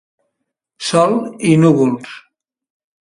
Sol i núvols.